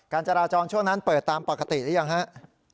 จราจรช่วงนั้นเปิดตามปกติหรือยังครับ